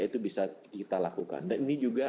itu bisa kita lakukan dan ini juga